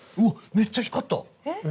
めっちゃ光った！